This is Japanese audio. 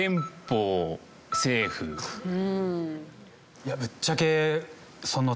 いやぶっちゃけ。